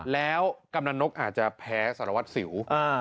แล้วกำลังกเคราะห์สารวัติเซียว